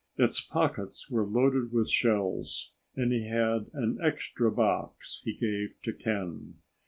Its pockets were loaded with shells, and he had an extra box he gave to Ken.